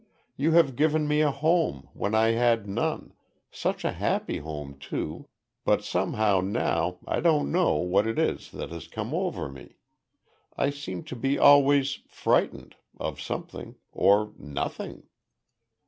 "You have given me a home, when I had none such a happy home, too but somehow now, I don't know what it is that has come over me. I seem to be always frightened of something or nothing."